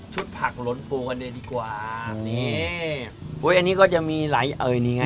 ผักหลนปูกันเลยดีกว่านี่อุ้ยอันนี้ก็จะมีหลายเอ่ยนี่ไง